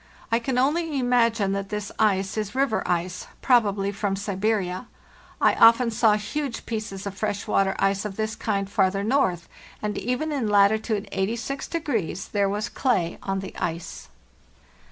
I can only imagine that this ice is river ice, probably from Siberia. I often saw huge pieces of fresh water ice of this kind farther north, and even in latitude 86 there was clay on the ice.